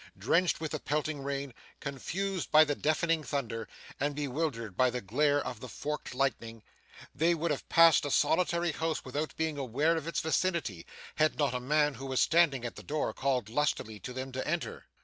Drenched with the pelting rain, confused by the deafening thunder, and bewildered by the glare of the forked lightning, they would have passed a solitary house without being aware of its vicinity, had not a man, who was standing at the door, called lustily to them to enter.